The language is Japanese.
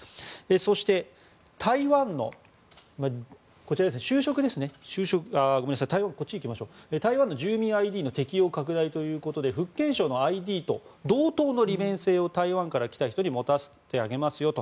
そして、台湾の住民ＩＤの適用拡大ということで福建省のＩＤと同等の利便性を台湾から来た人に持たせてあげますよと。